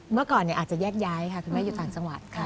เมื่อก่อนอาจจะแยกย้ายค่ะคุณแม่อยู่ต่างจังหวัดค่ะ